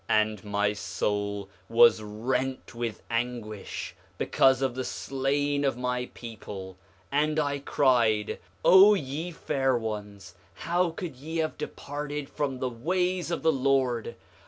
6:16 And my soul was rent with anguish, because of the slain of my people, and I cried: 6:17 O ye fair ones, how could ye have departed from the ways of the Lord!